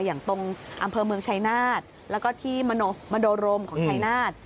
อย่างตรงอำเภอเมืองชายนาฏแล้วก็ที่มโดรมของชายนาฏ